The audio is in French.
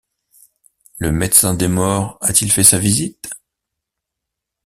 Le médecin des morts a-t-il fait sa visite?